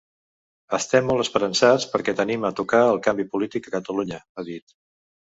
“Estem molt esperançats perquè tenim a tocar el canvi polític a Catalunya”, ha dit.